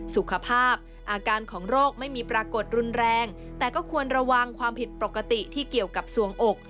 สุขภาพอาการของโรคไม่มีปรากฏรุนแรงแต่ก็ควรระวังความผิดปกติที่เกี่ยวกับส่วงอก